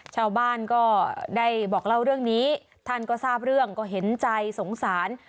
ชาวบ้านก็ได้บอกเล่าเรื่องนี้ท่านก็ทราบเรื่องก็เห็นใจสงสาร